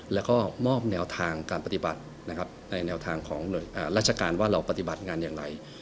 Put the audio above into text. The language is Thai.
และก็มอบแนวทางการปฏิบัติในแนวทางของราชการว่าเราปฏิบัติงานอย่างไร